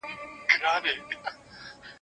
انسانانو اوس له ما دي لاس پرېولي